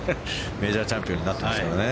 メジャーチャンピオンになってますからね。